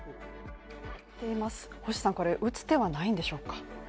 打つ手はないんでしょうか？